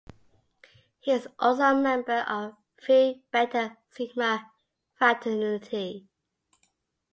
He is also a member of Phi Beta Sigma fraternity.